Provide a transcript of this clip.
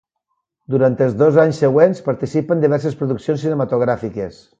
Durant els dos anys següents participa en diverses produccions cinematogràfiques.